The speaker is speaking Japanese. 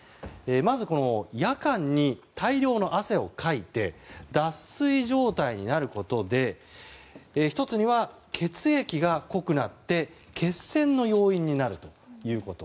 まず夜間に大量の汗をかいて脱水状態になることで１つには、血液が濃くなって血栓の要因になるということ。